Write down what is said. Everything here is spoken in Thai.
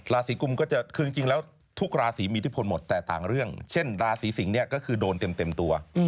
ราศีกุมก็จะคือจริงแล้วทุกราศีมีอิทธิพลหมดแต่ต่างเรื่องเช่นราศีสิงศ์เนี่ยก็คือโดนเต็มตัว